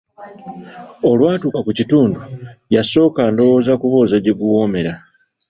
Olwatuuka ku kitundu yasooka ndowooza kubuuza gye guwoomera.